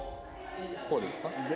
こうですか？